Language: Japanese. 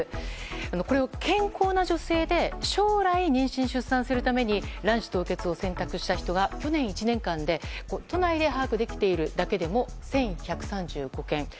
これは健康な女性で将来妊娠・出産するために卵子凍結を選択した人が去年１年間で都内で把握できているだけでも１１３５件。